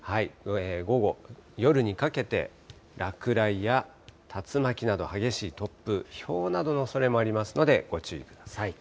午後、夜にかけて、落雷や竜巻など、激しい突風、ひょうなどのおそれもありますので、ご注意ください。